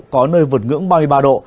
có nơi vượt ngưỡng ba mươi ba độ